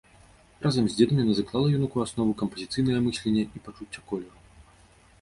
Разам з дзедам яна заклала юнаку аснову кампазіцыйнага мыслення і пачуцця колеру.